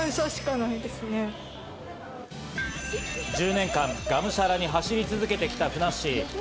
１０年間がむしゃらに走り続けてきたふなっしー。